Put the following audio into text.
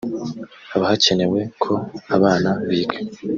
Haba hacyenewe ko abana biga